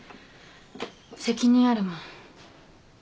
責任あるもん。